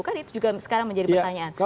kan itu juga sekarang menjadi pertanyaan